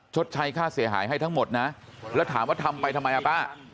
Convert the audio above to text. ชดใช้ค่าเสียหายให้ทั้งหมดนะแล้วถามว่าทำไปทำไมอ่ะป้า